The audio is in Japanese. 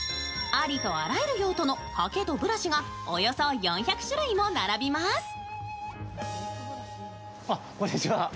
ありとあらゆる用途のハケとブラシがおよそ４００種類も並びます